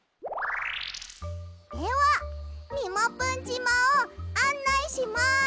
ではみもぷんじまをあんないします。